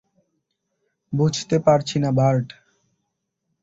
বুঝতে পারছি না, বার্ট।